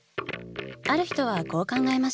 ある人はこう考えました。